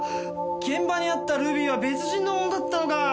現場にあったルビーは別人のものだったのか。